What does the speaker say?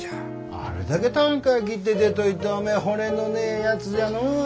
あれだけたんかあ切って出といておめえ骨のねえやつじゃのお。